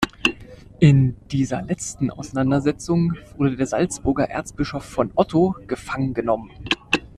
In dieser letzten Auseinandersetzung wurde der Salzburger Erzbischof von Otto gefangen genommen.